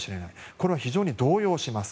これは非常に動揺します。